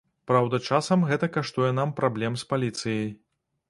Праўда, часам гэта каштуе нам праблем з паліцыяй.